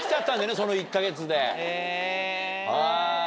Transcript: その１か月で。